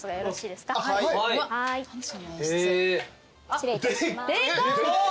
失礼いたします。